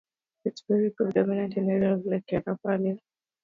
It is very predominant in areas like the Yarra Valley.